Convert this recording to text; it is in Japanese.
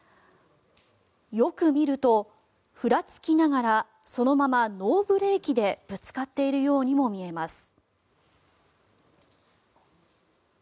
よく見ると、ふらつきながらそのままノーブレーキでぶつかっているようにも見えます。